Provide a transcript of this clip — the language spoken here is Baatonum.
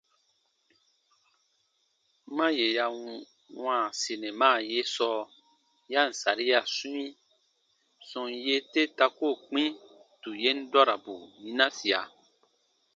Ma yè ya wãa sinima ye sɔɔ ya ǹ saria swĩi, sɔm yee te ta koo kpĩ tù yen dɔrabu yinasia.